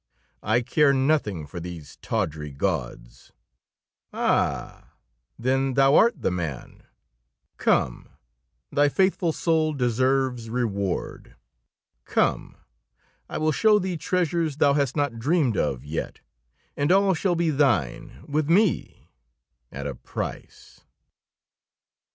"I care nothing for these tawdry gauds." "Ah! Then thou'rt the man. Come, thy faithful soul deserves reward. Come, I will show thee treasures thou hast not dreamed of yet; and all shall be thine, with me at a price."